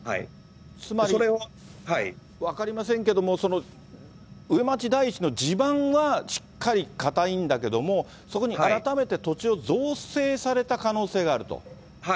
分かりませんけども、上町台地の地盤はしっかり堅いんだけども、そこに改めて土地を造成された可能性があると。